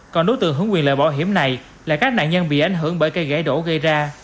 còn đối tượng hướng quyền lợi bảo hiểm này là các nạn nhân bị ảnh hưởng bởi cây gãy đổ gây ra